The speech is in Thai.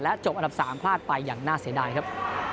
จบอันดับ๓พลาดไปอย่างน่าเสียดายครับ